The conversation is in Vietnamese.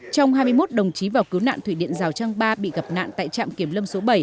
trong hai mươi một đồng chí vào cứu nạn thủy điện rào trang ba bị gặp nạn tại trạm kiểm lâm số bảy